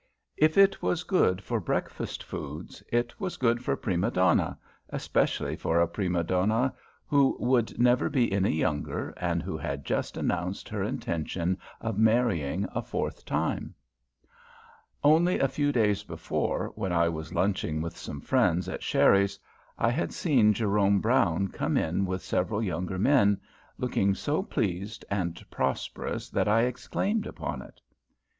If it was good for breakfast foods, it was good for prime donna, especially for a prima donna who would never be any younger and who had just announced her intention of marrying a fourth time. Only a few days before, when I was lunching with some friends at Sherry's, I had seen Jerome Brown come in with several younger men, looking so pleased and prosperous that I exclaimed upon it.